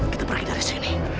kita pergi dari sini